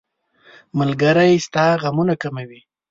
ملګری ستا غمونه کموي.